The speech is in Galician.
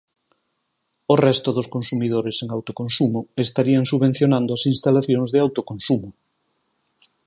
O resto dos consumidores sen autoconsumo estarían subvencionando as instalacións de autoconsumo.